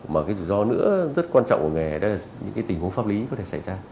một cái rủi ro nữa rất quan trọng của nghề đó là những cái tình huống pháp lý có thể xảy ra